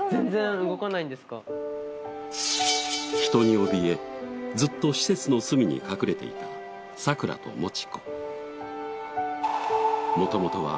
人におびえずっと施設の隅に隠れていた桜ともち子。